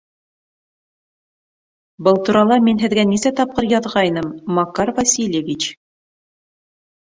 Был турала мин һеҙгә нисә тапҡыр яҙғайным, Макар Васильевич.